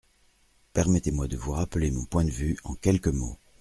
Permettez-moi de vous rappeler mon point de vue en quelques mots.